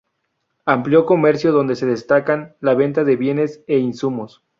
Amplio Comercio donde se destacan la venta de bienes e insumos.